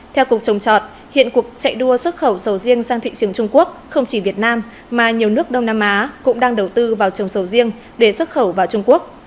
theo cục trồng trọt hiện cuộc chạy đua xuất khẩu sầu riêng sang thị trường trung quốc không chỉ việt nam mà nhiều nước đông nam á cũng đang đầu tư vào trồng sầu riêng để xuất khẩu vào trung quốc